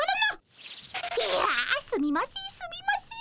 いやすみませんすみません。